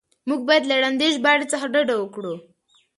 موږ بايد له ړندې ژباړې څخه ډډه وکړو.